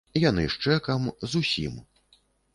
Яны з чэкам, з усім.